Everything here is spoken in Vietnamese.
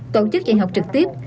tổ chức dạy học trực tiếp